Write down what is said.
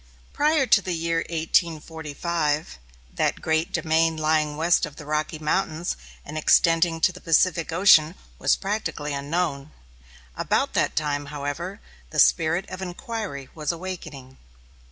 Prior to the year 1845, that great domain lying west of the Rocky Mountains and extending to the Pacific Ocean was practically unknown. About that time, however, the spirit of inquiry was awakening.